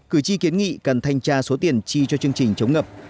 cử tri kiến nghị cần thanh tra số tiền chi cho chương trình chống ngập